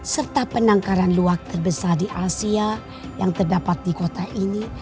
serta penangkaran luak terbesar di asia yang terdapat di kota ini